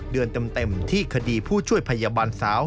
เดือนเต็มที่คดีผู้ช่วยพยาบาลสาว